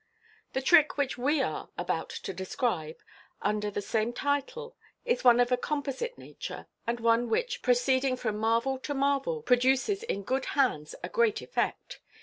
The trick which we are about to describe under the same title is one of a composite nature, and one which, proceeding from man. 1 to marvel, produces in good hands a great effect.